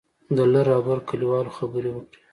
د لر او بر کلیوال خبرو وکړې.